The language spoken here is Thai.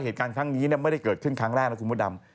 เหตุการณ์ครั้งนี้ไม่ได้เกิดขึ้นครั้งแรกนะคุณพระดำ